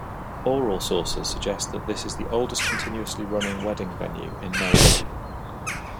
Oral sources suggest that this is the oldest continuously running wedding venue in Melbourne.